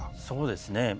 そうですね。